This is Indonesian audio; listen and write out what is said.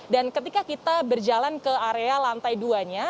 dan ketika kita berjalan ke area lantai dua nya